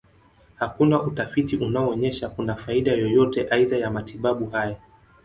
Hakuna utafiti unaonyesha kuna faida yoyote aidha ya matibabu haya.